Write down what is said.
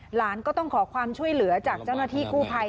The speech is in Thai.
หลานก็ต้องขอความช่วยเหลือจากเจ้าหน้าที่กู้ภัย